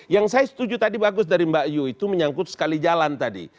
yang saya setuju tadi bagus dari mbak yu itu menyangkut sekali jalan tadi